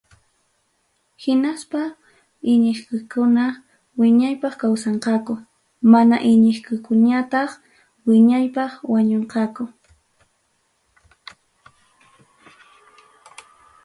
Hinaspa iñiqkunaqa wiñaypaq kawsanqaku, mana iñiqkunañataq wiñaypaq wañunqaku.